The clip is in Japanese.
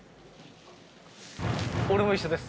俺も一緒です。